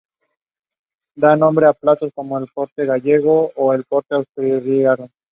Da nombre a platos como el pote gallego o el pote asturiano.